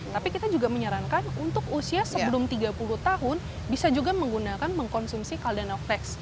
tapi kita juga menyarankan untuk usia sebelum tiga puluh tahun bisa juga menggunakan mengkonsumsi caldana flex